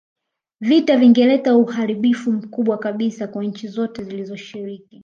Vita vingeleta uharibifu mkubwa kabisa kwa nchi zote zilizoshiriki